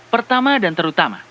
pertama dan terutama